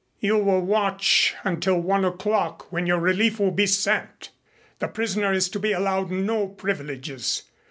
"You will watch until one o'clock when your relief will be sent. The prisoner is to be allowed no privileges.